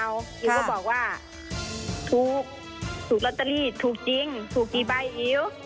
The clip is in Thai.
อิ๋วก็บอกว่าถูกถูกลอตเตอรี่ถูกจริงถูกกี่ใบอิ๋ว